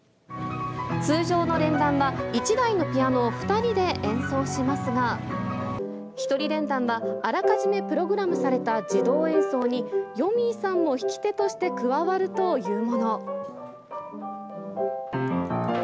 通常の連弾は、１台のピアノを２人で演奏しますが、一人連弾は、あらかじめプログラムされた自動演奏に、よみぃさんも弾き手として加わるというもの。